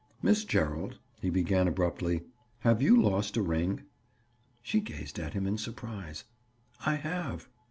"Miss Gerald," he began abruptly, "have you lost a ring?" She gazed at him in surprise. "I have."